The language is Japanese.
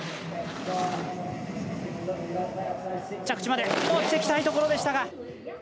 着地までもっていきたいところでしたが。